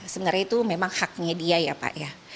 sebenarnya itu memang haknya dia ya pak ya